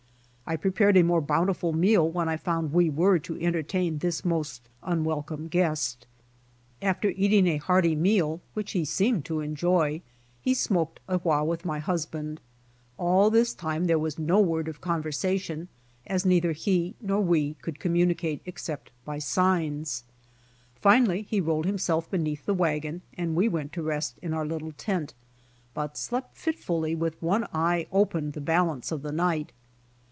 I prepared a more bountiful meal w^hen I found we were to entertain this most unwel come guest. After eating a hearty meal, which he seemed to enjoy, he smoked a while with my husband. All this time there was no word of conversation, as neither he nor we could communicate except by signs. Finally he rolled himself beneath the wagon, and we went to rest in our little tent, but slept fitfully with one eye open the balance of the night.